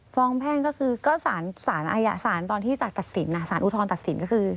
แพ่งก็คือก็สารอาญาสารตอนที่สารตัดสินสารอุทธรณตัดสินก็คือ